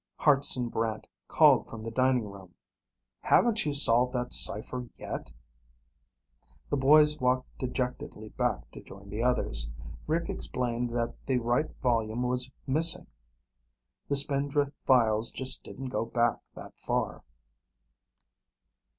Hartson Brant called from the dining room. "Haven't you solved that cipher yet?" The boys walked dejectedly back to join the others. Rick explained that the right volume was missing. The Spindrift files just didn't go back that far.